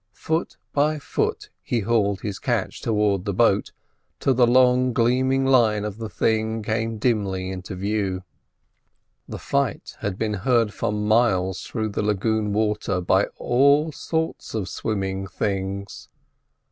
Foot by foot he hauled his catch towards the boat till the long gleaming line of the thing came dimly into view. The fight had been heard for miles through the lagoon water by all sorts of swimming things.